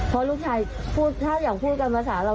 เพราะลูกชายพูดถ้าอย่างพูดกันภาษาเรา